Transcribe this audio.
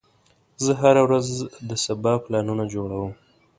زه هره ورځ د سبا پلانونه جوړوم.